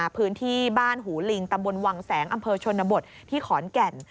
พื้นที่บ้านหูลิงตำบลวังแสงอำเภอชนบทที่ขอนแก่น